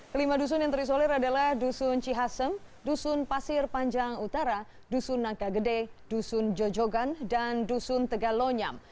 kelima dusun yang terisolir adalah dusun cihasem dusun pasir panjang utara dusun nangka gede dusun jojogan dan dusun tegalonyam